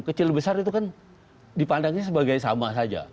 kecil besar itu kan dipandangnya sebagai sama saja